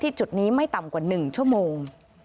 จุดนี้ไม่ต่ำกว่า๑ชั่วโมง